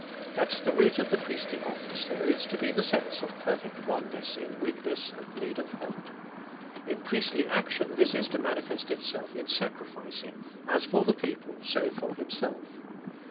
At the root of the priestly office there is to be the sense of perfect oneness in weakness and need of help. In priestly action this is to mani fest itself in sacrificing, as for the people, so for himself.